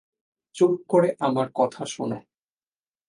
চুপ করে আমার কথা শোনো।